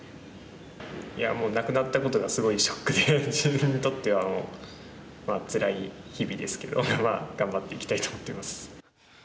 いやもうなくなったことがすごいショックで自分にとってはもうつらい日々ですけどまあ頑張っていきたいと思ってます。